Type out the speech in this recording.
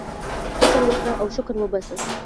فكر وكره او شكر وباسه!